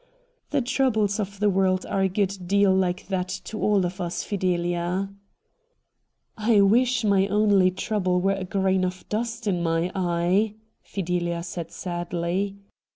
The troubles of the world are a good deal like that to all of us, Fideha.' ' I wish my only trouble were a grain of dust in my eye,' Fidelia said sadly.